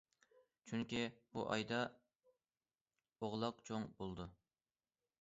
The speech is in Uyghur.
چۈنكى بۇ ئايدا ئوغلاق چوڭ بولىدۇ.